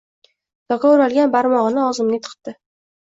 Doka o‘ralgan barmog‘ini og‘zimga tiqdi.